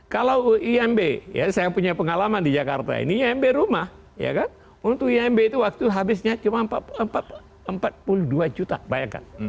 kalau imb ya saya punya pengalaman di jakarta ini imb rumah untuk imb itu waktu habisnya cuma empat puluh dua juta bayangkan